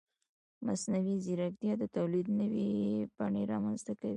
مصنوعي ځیرکتیا د تولید نوې بڼې رامنځته کوي.